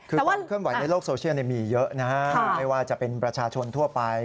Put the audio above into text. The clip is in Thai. คือความเคลื่อนไหวในโลกโซเชียลมีเยอะนะฮะไม่ว่าจะเป็นประชาชนทั่วไป